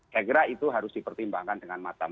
saya kira itu harus dipertimbangkan dengan matang